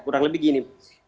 kurang lebih begini